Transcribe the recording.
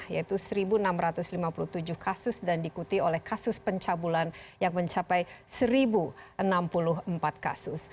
yaitu satu enam ratus lima puluh tujuh kasus dan diikuti oleh kasus pencabulan yang mencapai satu enam puluh empat kasus